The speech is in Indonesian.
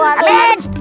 aduh aduh aduh